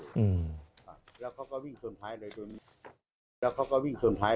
พี่เกียจพูดดวยแล้วจะจัดทาง